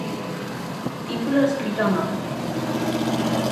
Título escrito á man.